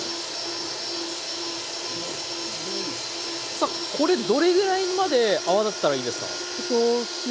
さあこれどれぐらいまで泡立てたらいいですか？